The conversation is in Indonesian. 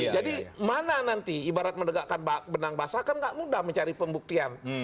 jadi mana nanti ibarat mendegakkan benang basah kan nggak mudah mencari pembuktian